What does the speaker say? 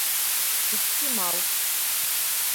Ихтимал